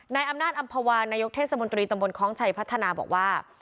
นายอำนาจอำภาวานายกเทศมนตรีตำบลคล้องชัยพัฒนาบอกว่า